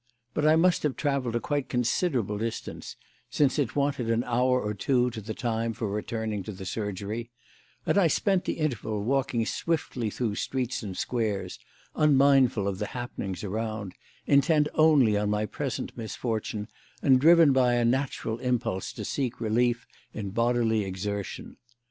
But I must have travelled a quite considerable distance, since it wanted an hour or two to the time for returning to the surgery, and I spent the interval walking swiftly through streets and squares, unmindful of the happenings around, intent only on my present misfortune, and driven by a natural impulse to seek relief in bodily exertion.